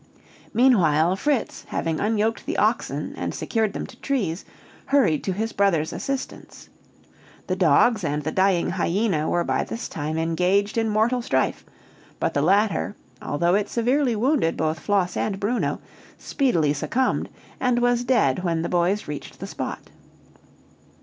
Meanwhile Fritz, having unyoked the oxen and secured them to trees, hurried to his brother's assistance. The dogs and the dying hyena were by this time engaged in mortal strife; but the latter, although it severely wounded both Floss and Bruno, speedily succumbed, and was dead when the boys reached the spot.